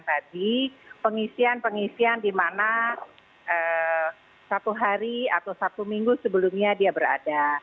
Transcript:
jadi pengisian pengisian di mana satu hari atau satu minggu sebelumnya dia berada